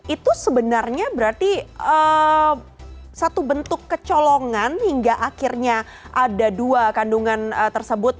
itu sebenarnya berarti satu bentuk kecolongan hingga akhirnya ada dua kandungan tersebut